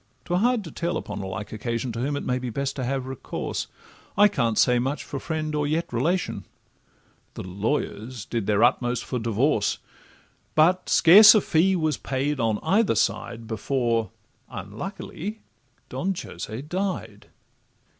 ('Twere hard to tell upon a like occasion To whom it may be best to have recourse— I can't say much for friend or yet relation): The lawyers did their utmost for divorce, But scarce a fee was paid on either side Before, unluckily, Don Jose died.